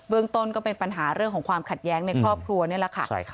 เรื่องต้นก็เป็นปัญหาเรื่องของความขัดแย้งในครอบครัวนี่แหละค่ะ